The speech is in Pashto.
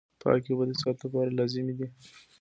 پاکي اوبه د صحت لپاره لازمي دي.